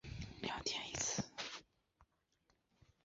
基督教是关乎我们头脑的事吗？